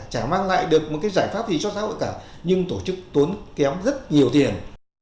chả mang lại được một cái giải pháp gì cho xã hội cả nhưng tổ chức tốn kém rất nhiều tiền